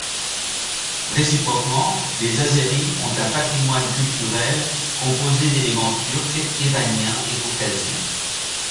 Réciproquement, les Azéris ont un patrimoine culturel composé d'éléments turcs, iraniens et caucasiens.